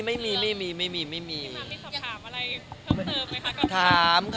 ไปนำคำถามอะไรเถอะเติมไหมคะ